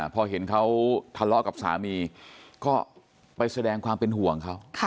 พอเห็นเขาทะเลาะกับสามีก็ไปแสดงความเป็นห่วงเขา